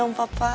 ya udah yaudah